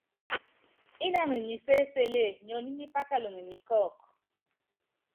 Ínanu nyi séselée, nyionyí nyípákalɔŋ ni kɔ́kú.